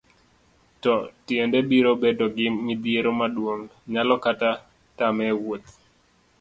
to tiende biro bedo gi midhiero maduong',nyalo kata tame e wuoth